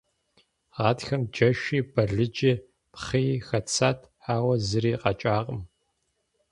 Гъатхэм джэши, балыджи, пхъыи хэтсат, ауэ зыри къэкӏакъым.